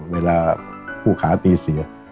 เวลาคู่ขาตีเสีย